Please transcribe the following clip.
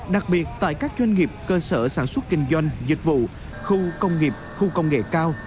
đặc biệt tại các doanh nghiệp cơ sở sản xuất kinh doanh dịch vụ khu công nghiệp khu công nghệ cao